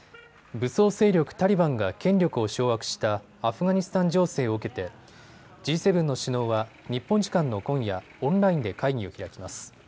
武装勢力タリバンが権力を掌握したアフガニスタン情勢を受けてＧ７の首脳は日本時間の今夜、オンラインで会議を開きます。